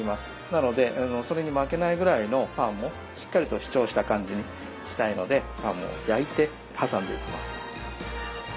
なのでそれに負けないぐらいのパンをしっかりと主張した感じにしたいのでパンを焼いて挟んでいきます。